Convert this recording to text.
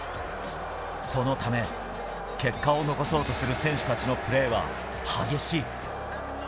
そのため、結果を残そうとする選手たちのプレーは激しい。